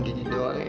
gini doang ya